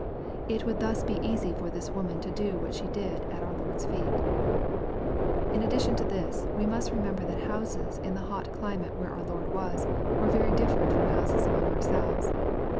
It would thus be easy for this woman to do what she did to our Lord's feet. In addition to this, we must remember that houses in the hot climate where our Lord was, were very different from houses among ourselves.